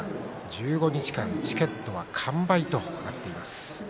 １５日間、チケットも完売となっています。